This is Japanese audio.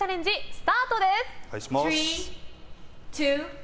スタートです！